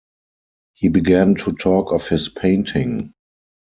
He began to talk of his painting.